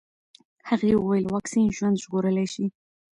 هغې وویل واکسین ژوند ژغورلی شي.